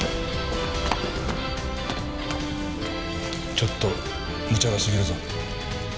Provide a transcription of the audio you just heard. ちょっと無茶がすぎるぞ。